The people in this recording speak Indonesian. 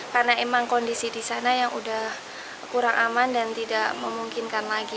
karena memang kondisi di sana yang sudah kurang aman dan tidak memungkinkan lagi